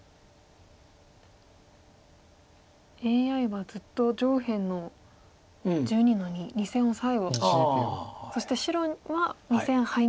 ＡＩはずっと上辺の１２の二２線オサエをそして白は２線ハイなさいと。